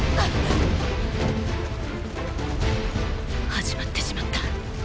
始まってしまった。